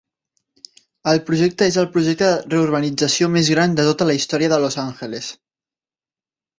El projecte és el projecte de reurbanització més gran de tota la història de Los Angeles.